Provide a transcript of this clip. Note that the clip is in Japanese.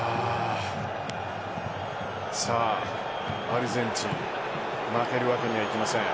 アルゼンチン負けるわけにはいきません。